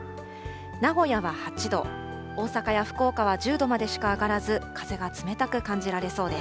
名古屋は８度、大阪や福岡は１０度までしか上がらず、風が冷たく感じられそうです。